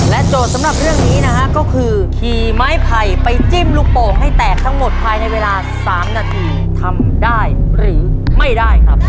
โจทย์สำหรับเรื่องนี้นะฮะก็คือขี่ไม้ไผ่ไปจิ้มลูกโป่งให้แตกทั้งหมดภายในเวลา๓นาทีทำได้หรือไม่ได้ครับ